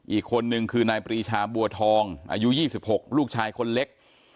อีกคนนึงคือนายปรีชาบัวทองอายุ๒๖ลูกชายคนเล็ก